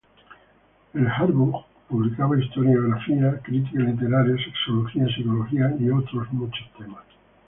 El "Jahrbuch" publicaba historiografía, crítica literaria, sexología, psicología y muchos otros temas.